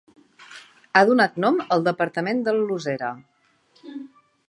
Ha donat nom al departament del Losera.